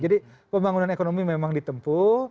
jadi pembangunan ekonomi memang ditempuh